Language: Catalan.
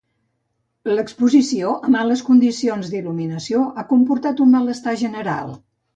L'exposició a males condicions d'il·luminació ha comportat un malestar general.